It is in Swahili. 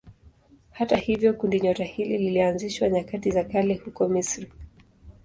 Hata hivyo kundinyota hili lilianzishwa nyakati za kale huko Misri.